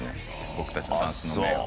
僕たちのダンスの面を。